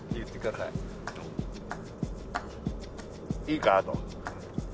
「いいか？」と。